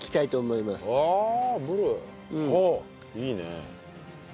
いいね。